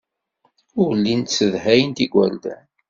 Ur llint ssedhayent igerdan.